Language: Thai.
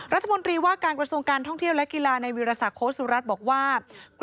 รัฐมนตรีว่าการกระทรวงการท่องเที่ยวและกีฬาในวิรสักโค้สุรัตน์บอกว่า